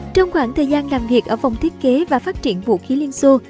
trong khoảng thời gian làm việc ở phòng thiết kế và phát triển vũ khí liên xô